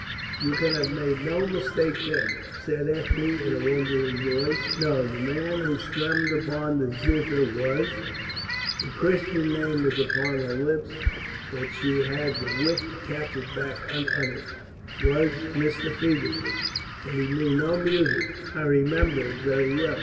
'" "You can have made no mistake, then," said Ethne, in a wondering voice. "No, the man who strummed upon the zither was " the Christian name was upon her lips, but she had the wit to catch it back unuttered "was Mr. Feversham. But he knew no music I remember very well."